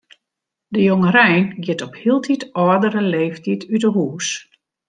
De jongerein giet op hieltyd âldere leeftiid út 'e hûs.